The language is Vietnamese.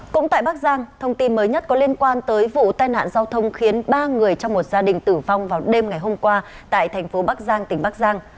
cũng tại bắc giang thông tin mới nhất có liên quan tới vụ tai nạn giao thông khiến ba người trong một gia đình tử vong vào đêm ngày hôm qua tại thành phố bắc giang tỉnh bắc giang